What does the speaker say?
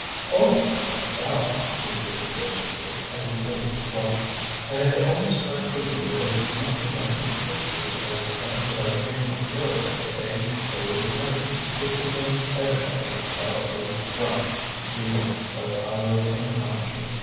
"Oh, without doubt!" he agreed graciously, as he folded the cloth. I have always tried to believe that it was not so much my pictures as the fact that I paid my bills the day they were presented which convinced everybody about Les Trois Pigeons that I was an amateur.